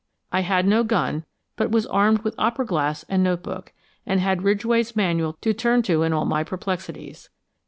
I had no gun, but was armed with opera glass and note book, and had Ridgway's Manual to turn to in all my perplexities.